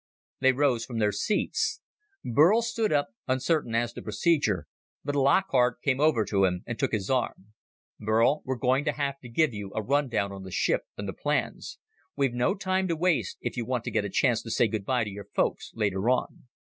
They rose from their seats. Burl stood up, uncertain as to procedure, but Lockhart came over to him and took his arm. "Burl, we're going to have to give you a rundown on the ship and the plans. We've no time to waste if you want to get a chance to say good by to your folks later on."